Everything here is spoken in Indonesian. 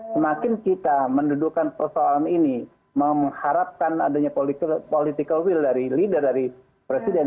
semakin kita mendudukan persoalan ini mengharapkan adanya political will dari leader dari presiden